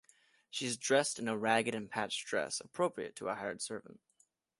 She is dressed in a ragged and patched dress, appropriate to a hired servant.